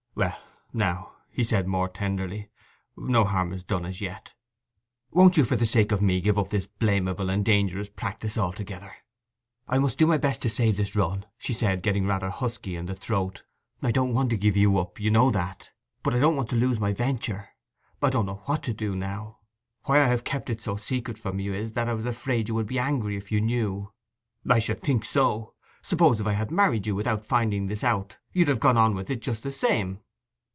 'Well now,' said he more tenderly, 'no harm is done as yet. Won't you for the sake of me give up this blamable and dangerous practice altogether?' 'I must do my best to save this run,' said she, getting rather husky in the throat. 'I don't want to give you up—you know that; but I don't want to lose my venture. I don't know what to do now! Why I have kept it so secret from you is that I was afraid you would be angry if you knew.' 'I should think so! I suppose if I had married you without finding this out you'd have gone on with it just the same?